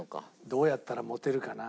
どうやったらモテるかな？